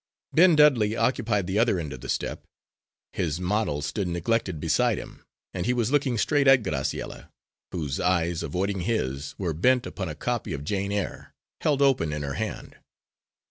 Ben Dudley occupied the other end of the step. His model stood neglected beside him, and he was looking straight at Graciella, whose eyes, avoiding his, were bent upon a copy of "Jane Eyre," held open in her hand.